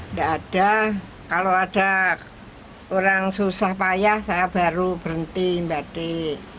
nggak ada kalau ada orang susah payah saya baru berhenti mbak di